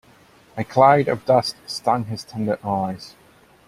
A cloud of dust stung his tender eyes.